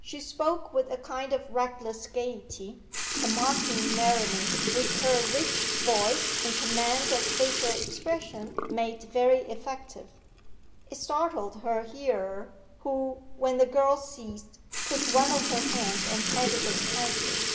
She spoke with a kind of reckless gaiety, a mocking merriment which her rich voice and command of facial expression made very effective. It startled her hearer, who, when the girl ceased, took one of her hands and patted it kindly.